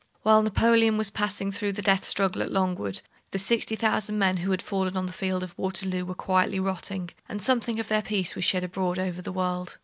While Napoleon was passing through the death struggle at Longwood, the sixty thousand men who had fallen on the field of Waterloo were quietly rotting, and something of their peace was shed abroad over the world.